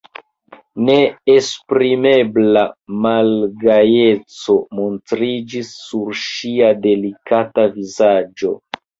Neesprimebla malgajeco montriĝis sur ŝia delikata vizaĝo.